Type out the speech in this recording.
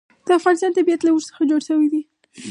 د افغانستان طبیعت له اوښ څخه جوړ شوی دی.